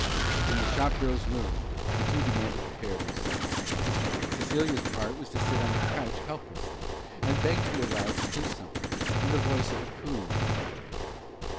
In the shop girl's room the two began to prepare their supper. Cecilia's part was to sit on the couch helplessly and beg to be allowed to do something, in the voice of a cooing ring dove.